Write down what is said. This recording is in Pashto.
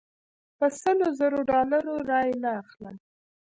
په سلو زرو ډالرو رایې نه اخلم.